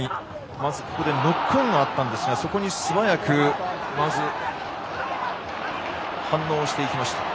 まずノックオンがあったんですがそこに素早くまず反応していきました。